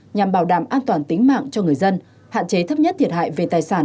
nhằm bảo đảm an toàn tính mạng cho người dân hạn chế thấp nhất thiệt hại về tài sản